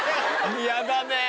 嫌だね。